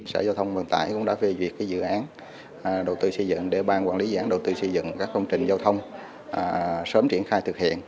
sở giao thông vận tải cũng đã về việc dự án đầu tư xây dựng để ban quản lý dự án đầu tư xây dựng các công trình giao thông sớm triển khai thực hiện